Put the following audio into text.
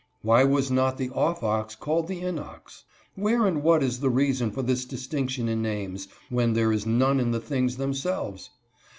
Why was not the "off ox" called the "in ox?" Where and what is the reason for this distinction in names, when there is none in the things themselves